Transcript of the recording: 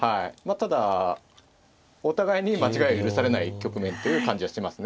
ただお互いに間違いが許されない局面という感じがしますね。